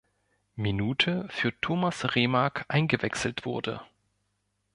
Minute für Thomas Remark eingewechselt wurde.